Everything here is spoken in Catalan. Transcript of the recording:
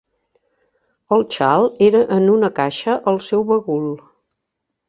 El xal era en una caixa al seu bagul.